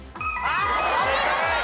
お見事！